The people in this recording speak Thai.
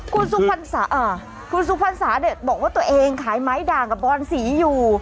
คุณสุพันธ์สาคุณสุพันธ์สาเนี่ยบอกว่าตัวเองขายไม้ด่างกับบรรสีอยู่